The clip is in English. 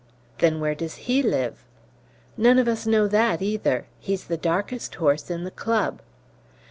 "Then where does he live?" "None of us know that either; he's the darkest horse in the club."